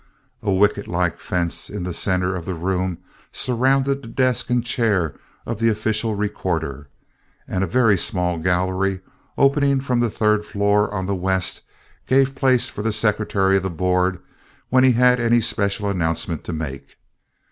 A wicket like fence in the center of the room surrounded the desk and chair of the official recorder; and a very small gallery opening from the third floor on the west gave place for the secretary of the board, when he had any special announcement to make.